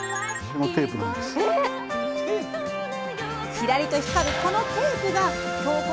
きらりと光るこのテープが京こ